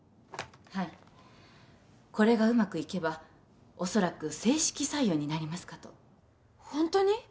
はいこれがうまくいけばおそらく正式採用になりますかとホントに？